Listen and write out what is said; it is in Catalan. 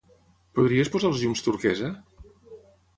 Podries posar els llums turquesa?